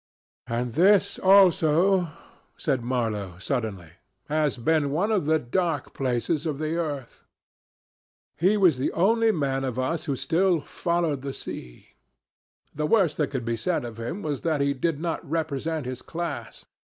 "And this also," said Marlow suddenly, "has been one of the dark places of the earth." He was the only man of us who still "followed the sea." The worst that could be said of him was that he did not represent his class.